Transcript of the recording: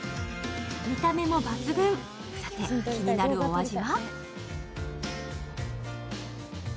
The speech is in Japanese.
見た目も抜群、さて気になるお味は？